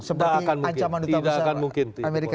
tidak akan mungkin